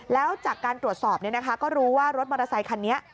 แล้วจากการตรวจสอบก็รู้ว่ารถมอเตอร์ไซคันนี้